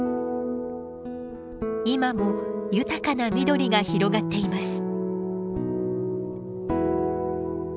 今も豊かな緑が広がっています。